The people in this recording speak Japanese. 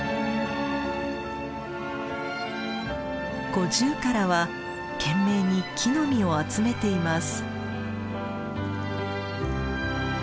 ゴジュウカラは懸命に木の実を集めています。